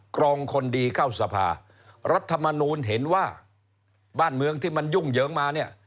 รองคนดีเข้าสภารัฐมนูลเห็นว่าบ้านเมืองที่มันยุ่งเหยิงมาเนี่ย